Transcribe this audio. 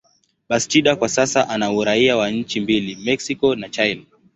Bastida kwa sasa ana uraia wa nchi mbili, Mexico na Chile.